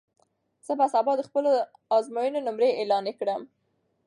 زه به سبا د خپلو ازموینو نمرې اعلان کړم.